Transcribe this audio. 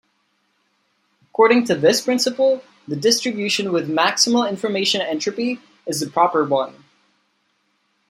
According to this principle, the distribution with maximal information entropy is the proper one.